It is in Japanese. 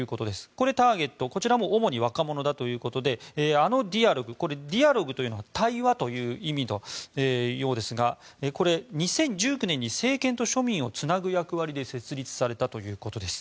これ、ターゲットこちらも主に若者だということでＡＮＯディアログディアログというのは対話という意味のようですが２０１９年に政権と庶民をつなぐ役割で設立されたということです。